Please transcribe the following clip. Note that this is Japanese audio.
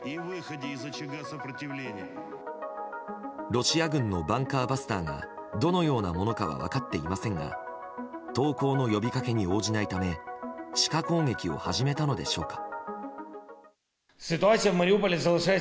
ロシア軍のバンカーバスターがどのようなものかは分かっていませんが投降の呼びかけに応じないため地下攻撃を始めたのでしょうか。